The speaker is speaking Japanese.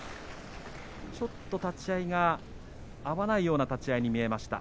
立ち合いが合わないような立ち合いに見えました。